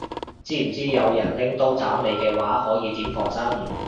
知唔知有人拎刀斬你嘅話可以點防身